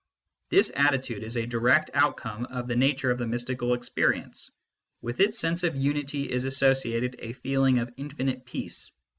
This attitude is a direct outcome of the nature of the mystical experience : with its sense of unity is associated a feeling of infinite peace.